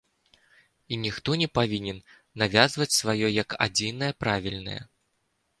І ніхто не павінен навязваць сваё як адзінае правільнае.